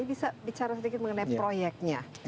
ini bisa bicara sedikit mengenai proyeknya